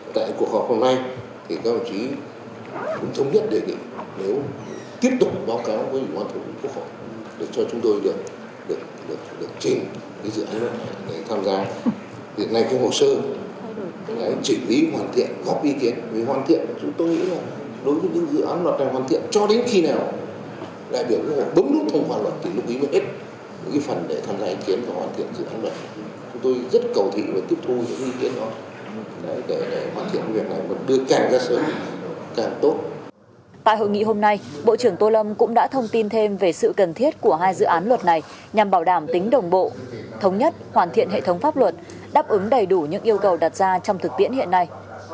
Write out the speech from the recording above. tại hội nghị hôm nay bộ trưởng tô lâm cũng đã thông tin thêm về sự cần thiết của hai dự án luật này nhằm bảo đảm tính đồng bộ thống nhất hoàn thiện hệ thống pháp luật đáp ứng đầy đủ những yêu cầu đặt ra trong thực tiễn hiện nay